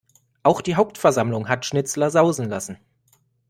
Auch die Hauptversammlung hat Schnitzler sausen lassen.